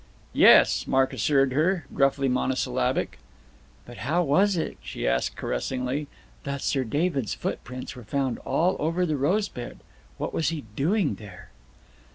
"Yes," Mark assured her, gruffly monosyllabic. "But how was it," she asked caressingly, "that Sir David's footprints were found all over the rose bed. What was he doing there?"